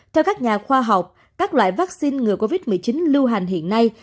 theo các nhà khoa học các loại vaccine ngừa covid một mươi chín lưu hành hiện nay